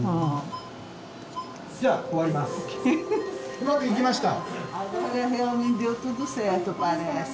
うまくいきました